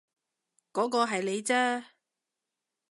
嗰個係你啫